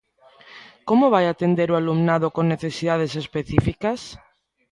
¿Como vai atender o alumnado con necesidades específicas?